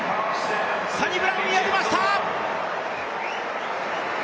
サニブラウンやりました！